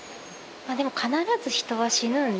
まあでも必ず人は死ぬんで。